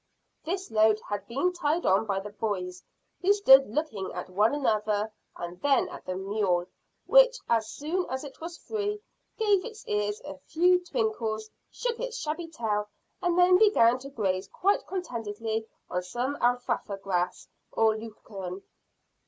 This load had been tied on by the boys, who stood looking at one another and then at the mule, which, as soon as it was free, gave its ears a few twinkles, shook its shabby tail, and then began to graze quite contentedly on some alfalfa grass, or lucerne.